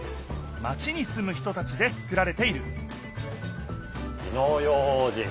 マチにすむ人たちで作られている火の用心。